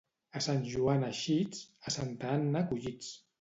A Sant Joan eixits, a Santa Anna collits.